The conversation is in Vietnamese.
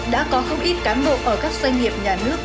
đã có không ít cán bộ ở các doanh nghiệp nhà nước